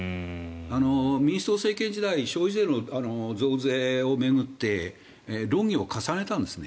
民主党政権時代消費税の増税を巡って論議を重ねたんですね。